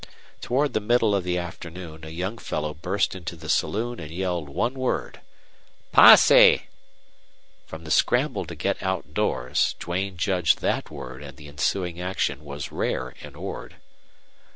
Toward the middle of the afternoon a young fellow burst into the saloon and yelled one word: "Posse!" From the scramble to get outdoors Duane judged that word and the ensuing action was rare in Ord.